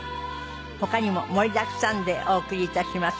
他にも盛りだくさんでお送り致します。